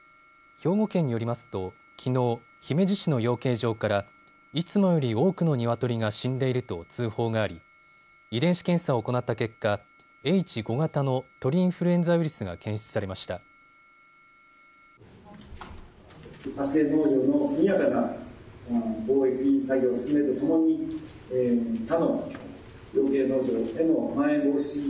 兵庫県によりますときのう、姫路市の養鶏場からいつもより多くのニワトリが死んでいると通報があり遺伝子検査を行った結果、Ｈ５型の鳥インフルエンザウイルスが検出されました。